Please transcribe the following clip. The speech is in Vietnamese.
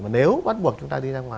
mà nếu bắt buộc chúng ta đi ra ngoài